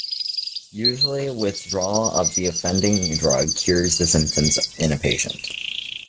Usually, withdrawal of the offending drug cures the symptoms in a patient.